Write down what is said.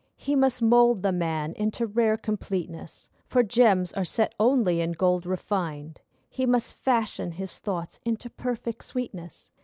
He must mould the man into rare completeness, For gems are set only in gold refined. He must fashion his thoughts into perfect sweetness.